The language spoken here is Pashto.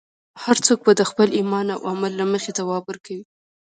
هر څوک به د خپل ایمان او عمل له مخې ځواب ورکوي.